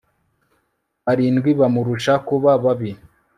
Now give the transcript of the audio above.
barindwi bamurusha kuba babi